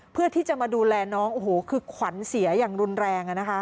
เพื่อที่จะมาดูแลน้องโอ้โหคือขวัญเสียอย่างรุนแรง